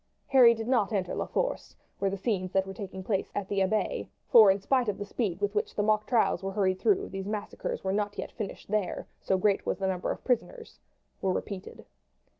Harry did not enter La Force, where the scenes that were taking place at the Abbaye for, in spite of the speed with which the mock trials were hurried through, these massacres were not yet finished there, so great was the number of prisoners were repeated.